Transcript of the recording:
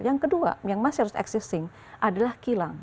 yang kedua yang masih harus existing adalah kilang